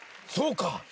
そうか。